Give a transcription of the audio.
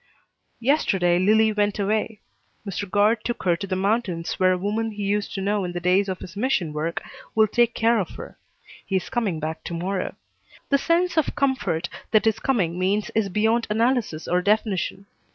Yesterday Lillie went away. Mr. Guard took her to the mountains where a woman he used to know in the days of his mission work will take care of her. He is coming back to morrow. The sense of comfort that his coming means is beyond analysis or definition.